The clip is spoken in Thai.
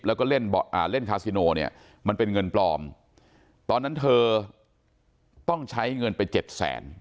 แล้วก็เล่นคาซิโนเนี่ยมันเป็นเงินปลอมตอนนั้นเธอต้องใช้เงินไปเจ็ดแสน